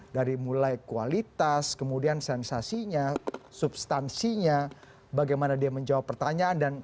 dari mulai kualitas kemudian sensasinya substansinya bagaimana dia menjawab pertanyaan